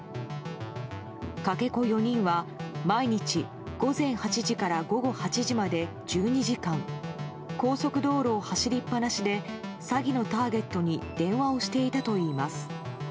かけ子４人は毎日午前８時から午後８時まで１２時間高速道路を走りっぱなしで詐欺のターゲットに電話をしていたといいます。